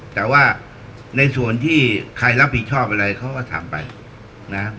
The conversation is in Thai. แต่ว่าในส่วนที่ใครรับผิดชอบอะไรเขาก็ทำไปนะ